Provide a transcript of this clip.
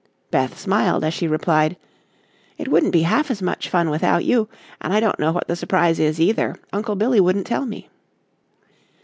Beth smiled, as she replied: "It wouldn't be half as much fun without you, and I don't know what the surprise is, either; Uncle Billy wouldn't tell me."